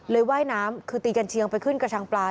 ว่ายน้ำคือตีกันเชียงไปขึ้นกระชังปลา